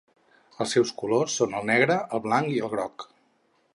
Els seus colors són el negre, el blanc i el groc.